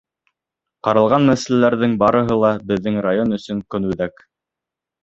— Ҡаралған мәсьәләләрҙең барыһы ла беҙҙең район өсөн көнүҙәк.